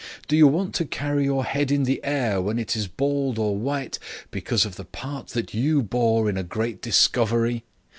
Do you want to carry your head in the air when it is bald or white because of the part that you bore in a great discovery?